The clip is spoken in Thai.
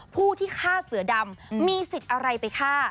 ผู้ที่ฆ่าเสือดำมีสิทธิ์อะไรไปฆ่า